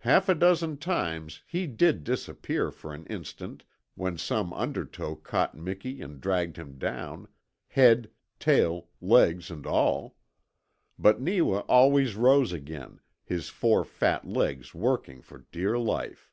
Half a dozen times he did disappear for an instant when some undertow caught Miki and dragged him down head, tail, legs, and all. But Neewa always rose again, his four fat legs working for dear life.